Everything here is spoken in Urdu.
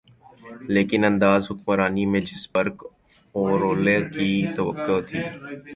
لیکن انداز حکمرانی میں جس برق اورولولے کی توقع تھی۔